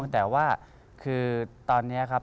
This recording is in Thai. แต่ว่าคือตอนนี้ครับ